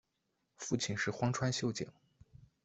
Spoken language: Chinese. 父亲是荒川秀景。